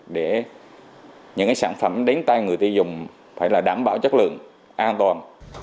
để những sản phẩm đến tay người tiêu dùng phải là đảm bảo chất lượng an toàn